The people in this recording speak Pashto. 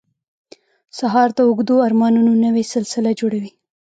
سهار د اوږدو ارمانونو نوې سلسله جوړوي.